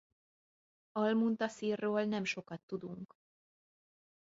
Al-Muntaszirról nem sokat tudunk.